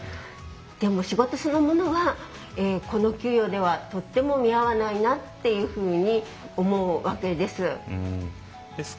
でも、仕事そのものはこの給料ではとっても見合わないように思うわけです。